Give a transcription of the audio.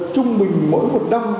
trung bình mỗi một năm